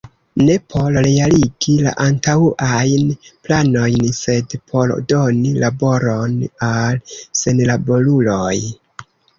Ne por realigi la antaŭajn planojn, sed por doni laboron al senlaboruloj.